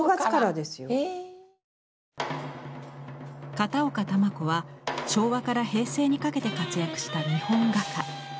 片岡球子は昭和から平成にかけて活躍した日本画家。